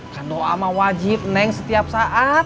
kan doa sama wajib neng setiap saat